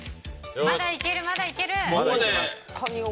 まだいける、まだいける！